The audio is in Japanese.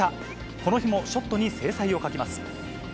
この日もショットに精彩を欠きます。